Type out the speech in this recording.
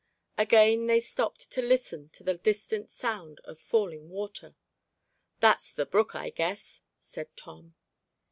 Again they stopped to listen to the distant sound of falling water. "That's the brook, I guess," said Tom.